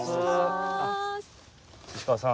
石川さん